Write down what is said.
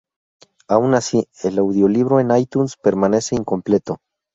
Aun así, el audiolibro en iTunes permanece incompleto.